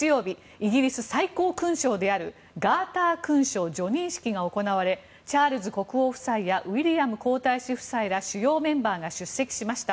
イギリス最高勲章であるガーター勲章叙任式が行われチャールズ国王夫妻やウィリアム皇太子夫妻ら主要メンバーが出席しました。